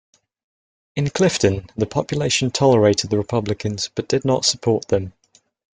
In Clifden, the population tolerated the Republicans but did not support them.